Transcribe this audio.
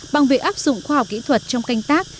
bằng việc áp dụng khoa học kỹ thuật trong canh tác